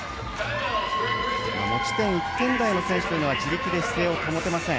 持ち点１点台の選手は自力で姿勢を保てません。